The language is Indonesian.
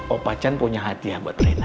opa chan punya hati ya buat rena